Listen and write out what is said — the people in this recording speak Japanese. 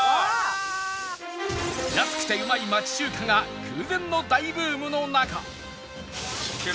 安くてうまい町中華が空前の大ブームの中